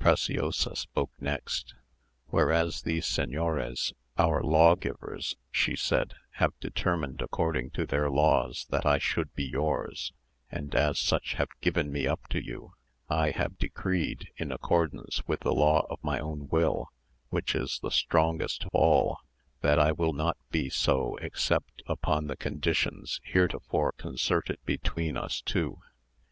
Preciosa spoke next: "Whereas these señores, our lawgivers," she said, "have determined, according to their laws that I should be yours, and as such have given me up to you, I have decreed, in accordance with the law of my own will, which is the strongest of all, that I will not be so except upon the conditions heretofore concerted between us two.